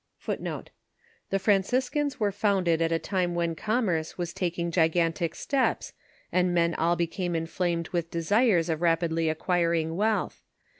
The sieur * The FVanoifloans were foanded at a time when commerce was taking ^an tio steps, and men all became inflamed with desires of rapidly acquiring wealth.